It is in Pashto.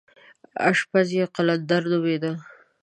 اشپز یې قلندر نومېده.